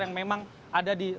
yang memang ada di